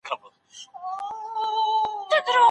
په آخرت کي د نيکو اعمالو بدله څه ده؟